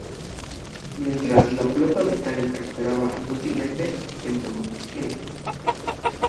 Mientras, la flota británica esperaba inútilmente en Boulogne.